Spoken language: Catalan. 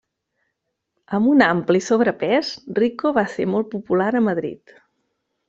Amb un ampli sobrepès, Rico va ser molt popular a Madrid.